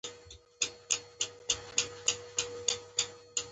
اوکتیت د وروستي قشر اته ال الکترونه کیدل دي.